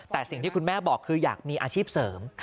แต่สิ่งที่คุณแม่บอกคืออยากมีอาชีพเสริม